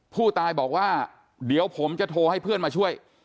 ผู้ตายบอกว่าเดี๋ยวผมจะโทรให้เพื่อนมาช่วย